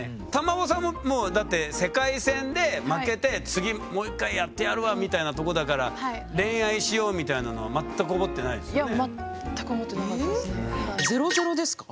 瑶生さんももうだって世界戦で負けて次もう１回やってやるわみたいなとこだから恋愛しようみたいなのは全く思ってないですよね？